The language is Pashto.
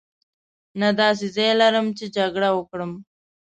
نه داسې ځای لرم چې جګړه وکړم.